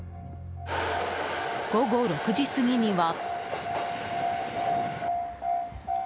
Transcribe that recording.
午後６時過ぎには。